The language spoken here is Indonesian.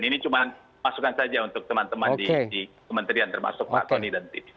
ini cuma masukan saja untuk teman teman di kementerian termasuk pak tony dan tim